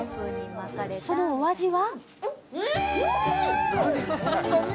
そのお味は？